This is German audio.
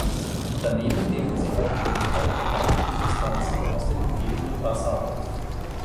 Daneben nehmen sie auch über die Haut organische Substanzen aus dem umgebenden Wasser auf.